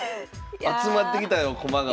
集まってきたよ駒が。